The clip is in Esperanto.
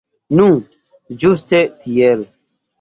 Nu, ĝuste tiel.